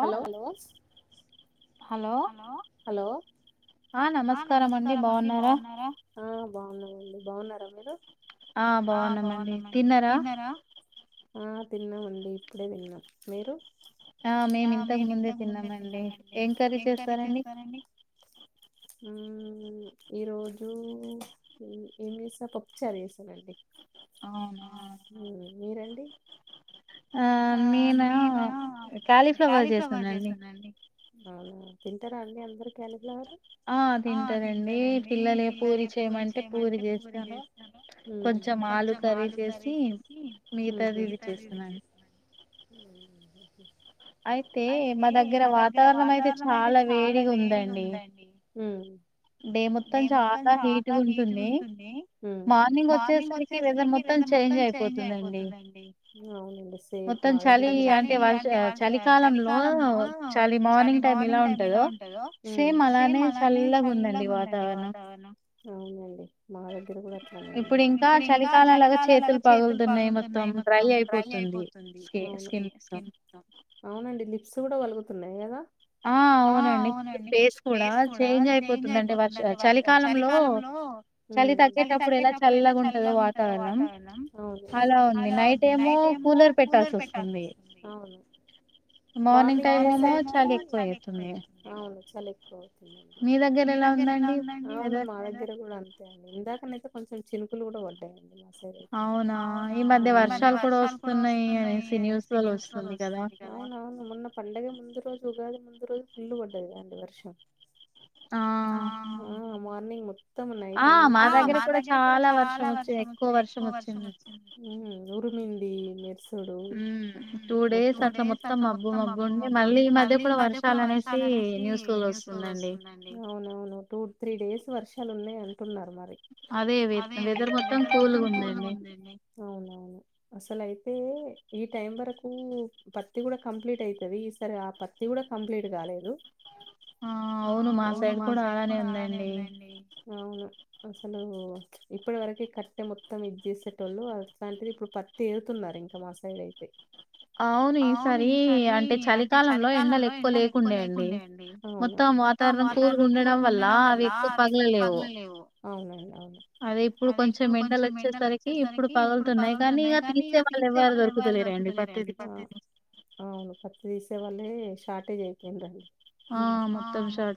Hello hello ఆ బాగున్నావండి బాగున్నారా మీరు ఆ బాగున్నామండి తిన్నరా ఆ తిన్నామండి ఇప్పుడే తిన్నాం మీరు ఆ మేము ఇంతకు ముందే తిన్నానండి ఏం క ఏం కర్రీ చేస్తారండి మ్మ్ ఈ రోజు ఏమి చేసా పప్పు చారు చేశానండి అవునా మీరండి ఆ నేనా కాలీఫ్లవర్ చేశానండి అవునా తింటారా అండి అందరూ క్యాలీ ఉ ఉహూ అయితే చాలా వేడిగుందండి ఉమ్ డే మొత్తం చాలా హీట్గా ఉంటుంది మార్నింగ్ వచ్చేసరికి వెదర్ మొత్తం చేంజ్ అయిపోతుందండి మొత్తం చలి అంటే చలి కాలంలో చలి మార్నింగ్ టైమ్ ఎలా ఉంటదో సేమ్ మా అలానే చల్లగా ఉంది వాతావరణం అవునండి మా దగ్గర కూడా అట్లా అనండి ఇప్పుడు ఇంకా చలికాలం లాగా చేతులు పగులుతున్నాయి మొత్తం డ్రై అపోతుంది అవును స్క్రీ స్కిన్ అవునండి లిప్స్ కూడా పలుగుతున్నాయి తున్నాయి కదా ఆ అవునండి ఫేస్ కూడా చేంజ్ అయిపోతుందిండి వర్ష చలి కాలంలో ఉమ్ చలి తగ్గేటప్పుడు ఎలా చల్లగా ఉంటందో వాతావరణం అలా ఉంది నైట్ ఏమో కూలర్ పెట్టాల్సి వస్తుంది మార్నింగ్ అయ్యేసరికి మార్నింగ్ టైం అవును చలి ఎక్కువ అవుతుందండి అవును మా దగ్గర కూడా అంతే అండి ఇందాకనయితే కొంచె చినుకులు కూడా పడ్డాయి అవునా ఆ ఈ మధ్య వర్షాలు కూడా వస్తున్నాయి న్యూస్ లల్ల వస్తుంది పండగ ముందు రోజు ఉగాది ముందు రోజు ఫుల్ పడ్డది కదండి వర్షం ఆ మార్నింగ్ మొత్తం నైట్ అంత ఆ ఉరిమింది మిడ్స్ చూడు మొత్తం అవునవును టూ త్రీ డేస్ వర్షాలు ఉన్నాయి అంటున్నార్ మరి అవునవును అసలు అయితే ఈ టైం వరకు పత్తి కూడా కంప్లీట్ అయితది ఈ సర ఆ పత్తి కూడా కంప్లీట్ కాలేదు ఆ అవున అసలు ఇప్పటి వరక కట్టె మొత్తం ఇది చేసేటోళ్ళు అట్లాంటిది ఇప్పుడు పత్తి ఎరుతున్నారు ఇంకా మా సైడ్ అయితే అవును ఈ సారి అంటే చలికాలంలో ఎండలు ఎక్కువ అవును అవును అవును పత్తి తీసే వాళ్ళ ఉమ్ స్టార్టజ్ అయిపోయిందండి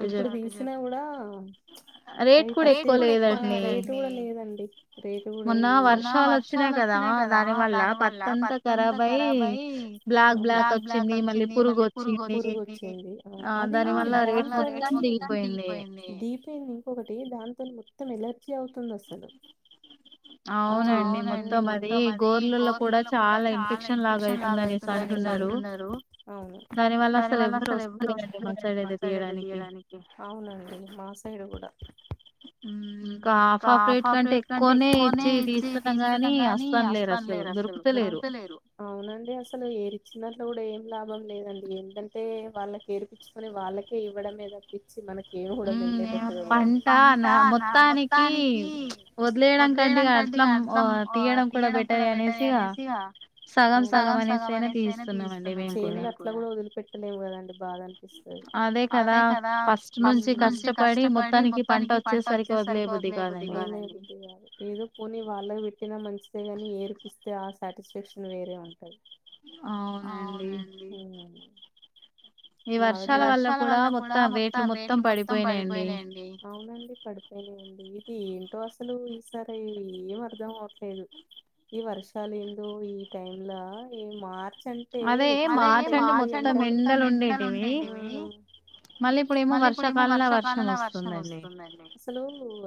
ఇప్పుడు తీసినా కూడా ఆ రేట్ కూడాఎక్కువ లేదండి రేటు కూడా ఏం లేవు పురుగుచ్చంది అవును అది దిగిపోయింది ఒకటి దానింతో మొత్తం ఎలర్ అతుంది అసలు అవును ఆ అవుతుంది అవును అవునండి మా సైడ్ కూడా అవునండి అసలు ఏరు ఇచ్చినట్లు కూడా ఏం లాభం లేదండి ఏంటంటే వాళ్ళకి ఏర్పించుకొని వాళ్ళకే ఇవ్వడం [unintelligible] పంట నా మొత్తానికి వదిలేయడం కంటే అట్లా తీయడం కూడా బెటర్ అనేసి ఇహ సగం సగం అనేసి అయినా తీయిస్తున్నా వొదిలి పెట్టలేము కదండి బాధనిపిస్తాది ఉమ్మ్ వదిలేయ్ బుద్ధి కాదు ఏదో పోనీ వాళ్ళు [unintelligible] తిన మంచి ఇస్తేగాని ఏరుపిస్తే ఆస్ శాటిస్ఫాక్షన్ వేరే ఉంటది అవునండి ఉమ్మ్ అవునండి పడిపోయినాయండి ఇది ఏంటో అసలు ఈసారి ఏం అర్ధం అవట్లేదు ఈ వర్షాలు ఏందో ఈ టైమ్లా ఈ మార్ అదే మార్చ్ అంటే మొత్తం ఎండలు ఉండే ఉండేటివి మళ్ళీ ఇప్పుడు ఏమో వర్షాకాలంల వర్షం వస్తుందండి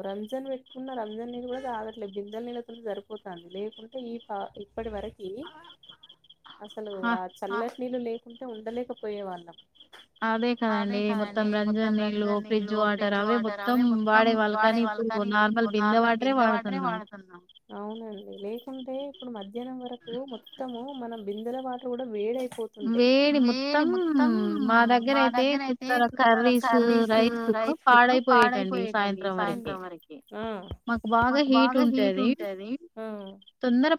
రంజన్ పెట్టుకున్నారు రంజన్ నీళ్ళ కూడా తాగట్లేదు బిందెల నీళ్ళతోనే సరిపోతంది లేకుంటే ఈ పా ఇప్పటి వరకి అసలు ఆ చల్లటి నీళ్లు లేక్ ఉంటే ఉండలేకపోయే వాళ్ళు అవునండి లేకుంటే ఇప్పుడు మధ్యాహ్నం వరకు మొత్తము మనం బిందల వాటర్ కూడా వేడే పోతుంది వేడి మొత్త్ త్తం మా దగ్గర అయితే కర్రీస్ రైస్ పాడైపోయేటండి సాయంత్రం వరకి మాకు బాగా హీట్ ఉంటది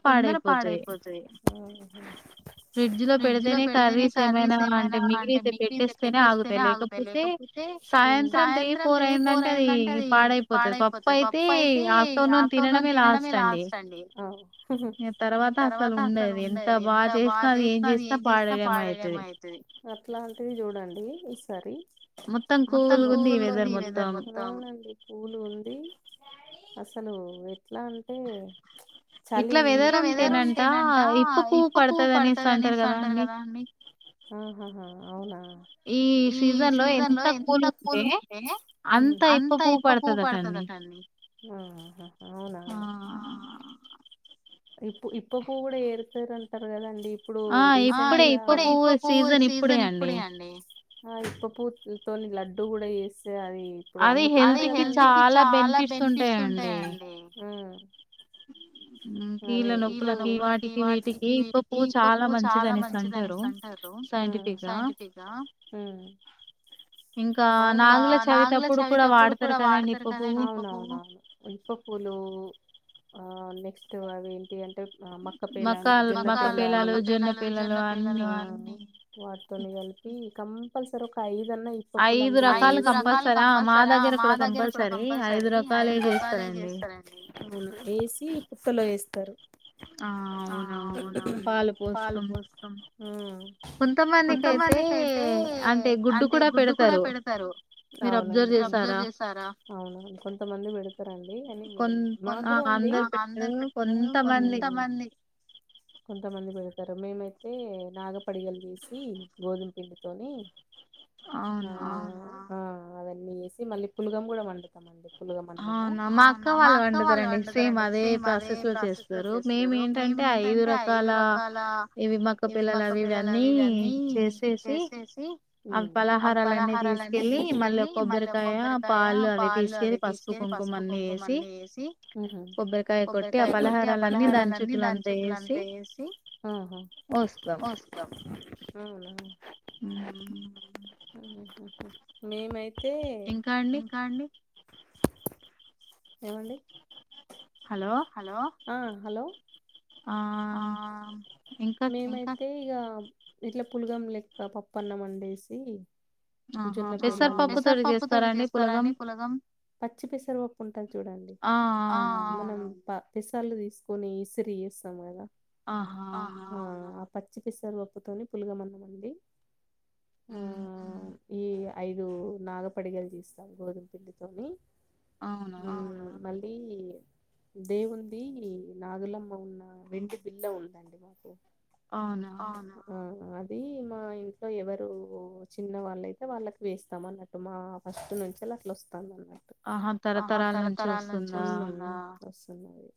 తొందర పాడైపోతాయ్. ఫ్రిడ్జ్ లో పెడితేనే కర్రీస్ ఏమైనా అంటే మీకు అంటే మిగిలితే పెట్టేస్తేనే ఆగుతాయి లేకపోతే సాయంత్రం త్రీ ఫోర్ అయిందంటే అది పాడైపోతది పప్పు అయితే ఆఫ్టర్నూన్ తినడమే లాస్ట్ అండి ఆ ఇగ తర్వాత అసలు ఉండది ఎంత బా అది చేసిన అది ఏం చేస్తా పాడేయమైతది అంతే చూడండి ఈసారి మొత్తం కూల్ గుంది వెధర్ మొత్తం అసలు ఎట్లా అంటే ఇట్ల వెదర్ ఉంటేనంట ఇప్ప పువ్వు పడుతది అనేసి అంటరు కదా అండి ఆ అవునా ఈ సీజన్ లో ఎంత కూల్ ఉంటే అంత ఇప్ప పువ్వు పడుతదట ఇప్ప పువ్వు కూడ ఏరూపే రంగు తరగదండి ఆ ఇప్పుడే ఇప్పు పువ్వు సీసన్ ఇప్ సీజన్ ఇప్పుడే అండి ఆ ఇప్పు పువ్వు తోని లడ్డు కూడా చేస్ తే అది ఇప్పుడు అమ్ముతున్నారు కదా అండి కీళ్ళ నొప్పులకి వాటికి వీటికి ఇప్ప పువ్వు చాలా మంచిది అనేసి అంటారు ఉమ్ అవును అవునవునవును ఇప్ప పూలు ఆ నెక్స్ట్ అవి ఏంటి అంటే ఆ మక్క పేలాలు జొన్న పేలాలు వాటితోని కలిపి కమ్ పల్సరి ఒక ఐ దన్నా ఇప్ప పూలందులో ఏసి తొలో ఏస్తారు ఆ అవునవును పాలు పోస్తాం కొంత అవును అవునవును కొంతమంది పెడ తరండి కానీ మాకు కూడా ఉంది కొంతమంది పెడ తారు మేమైతే నాగ పడిగల్ తీసి తి గోధుమ పిండితోని ఆ ఆ అవన్నీ వేసి మళ్ళీ పులగం కూడా వండుతామండి అవునా మా అక్క వాళ్ళు వండుతారంండి సేమ్ అదే ప్రాసెస్ లో చేస్తారు మేము ఏంటంటే ఐదు రకాల ఇవి మక్క పిల్లలు అవి ఇవి అన్నీ చేసేసి అవి ఫలహారాలన్నీ తీసుకెళ్ళి మళ్ళ కొబ్బరికాయ పాలు అవి తీసుకెళ్ళి పసు ఆహా ఆహా అవునా ఉమ్మ్ మేమై తే ఏమండి హలో హలో ఆ మేమైతే ఇగ ఇట్లా పులగం లెక్క పప్పన్నం వండేసి పెసరపప్పు తోటి చేస్తారా అండి పులగం పెస్సల్లు తీసుకొని ఇసిరీ చేేస్తాం కదా ఆహా అవునా పచ్చి పెస్సల్లు ఉప్పుతోనే పులుగమన్నమండి ఆ ఈ ఐదు నాగపడిగలు తీస్తాం గోధుమ పిండితోని అవును మల్ ది దేవుంది నాదులమ్మ ఉన్న వెండి బిల్ల ఉందండి మాకు అవునా అది మా ఇంట్లో ఎవరు చిన్న వాళ్ళైత్ అ వాళ్ళకి వేస్తాం అన్నట్టు మా ఫస్ట్ నుంచి అట్లా వస్ ఆహా తరతరాల నుంచి వస్తుందా వస్తున్నాయి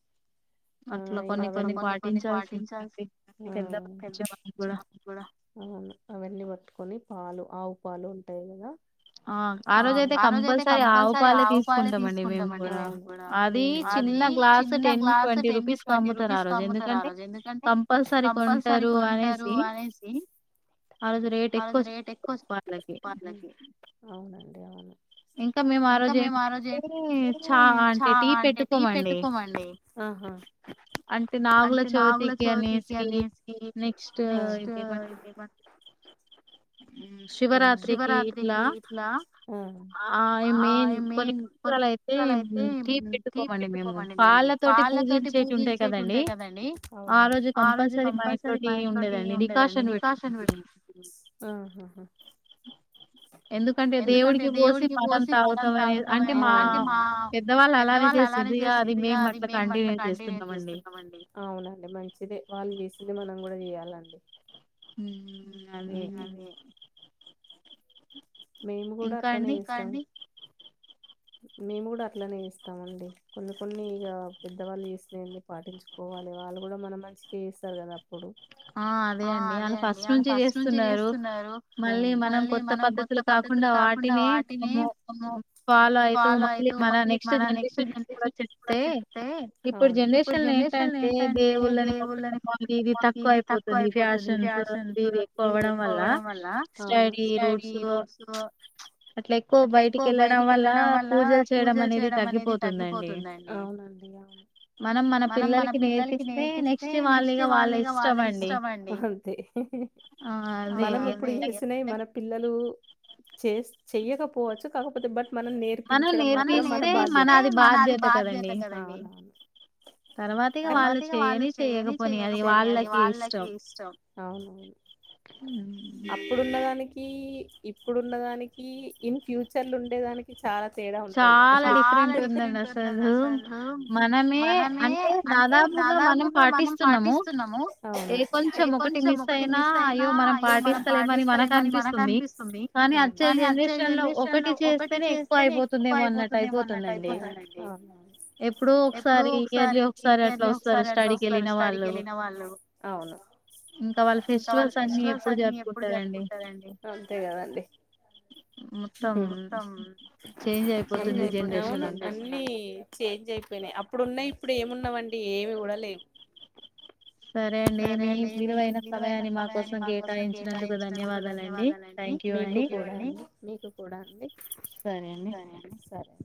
ఇ కొన్ని కొన్ని పాటించాల్సి వెళ్ళి కొని పాలు ఆవు త పాాలు ఉంటాయి కదా ఆ ఆ రోజ అయితే కంపల్సరీ ఆవుపాలే తీసుకుంటాం అండి మేము కూడా అది చిన్న గ్లాస్ టెన్ ట్వంటీ రూపీస్ క అమ్ముతారు ఆ రోజు ఎందుకంటే కంపల్సరీ కొంటారు అనేసి ఆ రోజు రేట్ ఎక్కువ పాలే అవునండి అవును ఇంకా మేము ఆ రోజు ఏంటంటే చా అంటే టీ పెట్టుకోమండి అంటే నాగుల చవితికి అనేసి నెక్స్ట్ ఇది శివరాత్రికి ఇట్లా ఆ మెయిన్ కొన్ని నిషాల అయితే టీ పెట్టుకోమండి మేము పాళ్ళ తోటి పూజించేవి ఉంటాయి కదండి ఆ రోజు కంపల్సరీ మా ఇంట్లో టి ఉండదండి డికాషన్ పెట్కుంటాం ఎందుకంటే దేవుడికి పోసి మనం తాగుతామని అంటే మా పెద్దవాళ్ళు అలానే చేసిదిగా అది మేము అట్లా కంటిన్యూ చేస్తున్నాంమండి వాళ్ళు చేసింది మనం కూడా చేయాలండి మ్మ్ అదే మేము కూడా అట్లనే చేస్తం మేము కూడా అట్లనే ఇస్తామండి కొన్ని కొన్ని ఇక పెద్దవాళ్ళు చేస్తినయండి పాటించుకోవాలి వాళ్ళు కూడా మనం మంచిగా ఇస్తారు కదా ఆ అదే అండి వాళ్ళ ఫస్ట్ నుంచి చేస్తున్నారు మళ్ళీ మనం కొత్త పద్ధతులో కాకుండా వాటినే మనము ఫాలో అయితూ మళ్ళీ మన నెక్స్ట్ జనరేషన్ కూడా చెప్తే ఇప్పుడు జనరేషన్ లో ఏంటంటే దేవుళ్ళని మొక్క అమ్మాలి ఇది తక్కువ ఎక్కువ అయిపోతుంది ఫ్యాషన్స్ ఇ ఇవి ఎక్కువ అవడం వల్ల స్టడీ రూట్స్ అట్లా ఎక్కువ బయటికి వెళ్ళడం వల్ల పూజలు చేయడం అనేది తగ్గిపోతుందిండి మనం మన పిల్లలకి నేర్పిస్తే నెక్స్ట్ వాళ్ళుగా వాల్ ఇష్టంఅండి మనం ఇప్పుడు చేసినాయి మన పిల్లలు చేస్ చెయ్యక పోవచ్చు కాకపోతే బట్ మనం నేర్పించడం మాత్రం మన బాధ్యత తర్వాత ఇక వాళ్ళు చెయ్యని చెయకపోని అది వాళ్ళకి ఇష్టం మ్ ఇప్పుడున్నదానికి ఇన్ ఫ్యూచర్ లో ఉండేదానికి చాలా తేడా ఉంటది చాలా డిఫరెంట్ ఉంది అసలు మనమే అంటే దాదాపుగా మనం పాటిస్తున్నాము కొంచెం ఒకటి మిస్ అయినా అయ్యో మనం పాటిస్తలేమని మనకపిని స్తుంది కానీ అచ్చే జనరేషన్ లో ఒకటి చేస్తేనే ఎ ఎ అయిపోతుందేమో అన్నట్టు అయిపోతుందండి ఎప్పుడ ఒకసారి ఇయర్లీ ఒకసారి అట్లా వస్తారు స్టడీకి వెళ్ళిన వాళ్ళు ఇంకా వాళ్ళ ఫెస్టివల్స్ అన్ని ఎప్పుడు జరుపుకుంటారుండి అంతే కదాండి అన్నీ చేంజ్ అయిపోయినాయి అ అప్పుడున్నయి ఇప్పుడు ఏమున్నావండి ఏమి గూడలేవు సరే అండి మీ విలువైన సమయాన్ని మా కోసం కేటాయించినందుకు ధన్యవాదాలండి మీకు కూడా మీకు కూడా అండి సరే